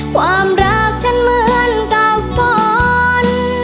ความรักฉันเหมือนกับฝน